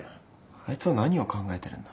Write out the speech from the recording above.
あいつは何を考えてるんだ。